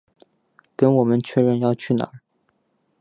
跟我们确认要去哪